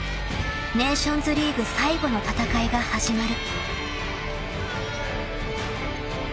［ネーションズリーグ最後の戦いが始まる］